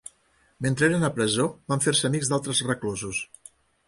Mentre eren a presó van fer-se amics d'altres reclusos.